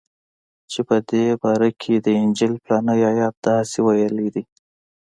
چې په دې باره کښې د انجيل پلانکى ايت داسې ويلي دي.